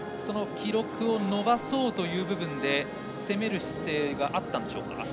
記録を伸ばそうという部分で攻める姿勢があったんでしょうか。